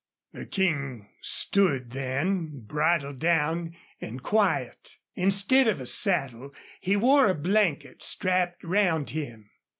The King stood then, bridle down and quiet. Instead of a saddle he wore a blanket strapped round him.